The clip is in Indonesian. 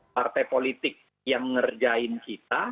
partai politik yang ngerjain kita